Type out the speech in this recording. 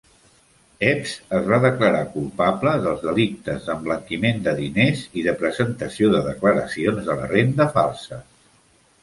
Epps es va declarar culpable dels delictes d'emblanquiment de diners i de presentació de declaracions de la renda falses.